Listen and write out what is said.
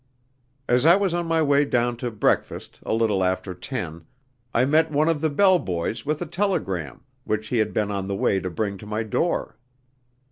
As I was on my way down to breakfast a little after ten, I met one of the bell boys with a telegram, which he had been on the way to bring to my door.